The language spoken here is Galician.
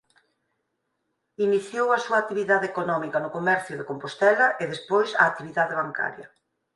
Iniciou a súa actividade económica no comercio de Compostela e despois a actividade bancaria.